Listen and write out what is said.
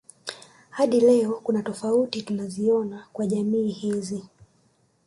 Hadi leo kuna tofuati tunaziona kwa jamii hizi